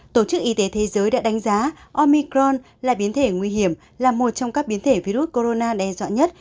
tổ chức y tế thế giới đã đánh giá omicron là biến thể nguy hiểm là một trong các biến thể virus corona nhất